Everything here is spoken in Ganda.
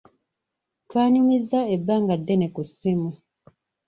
Twanyumizza ebbanga ddene ku ssimu.